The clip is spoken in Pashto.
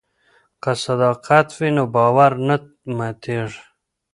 که صداقت وي نو باور نه ماتیږي.